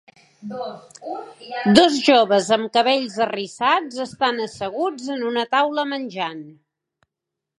Dos joves amb cabells arrissats estan asseguts en una taula menjant